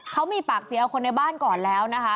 เขามีปากเสียคนในบ้านก่อนแล้วนะคะ